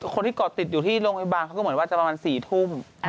คนที่เกาะติดอยู่ที่โรงพยาบาลเขาก็เหมือนว่าจะประมาณ๔ทุ่ม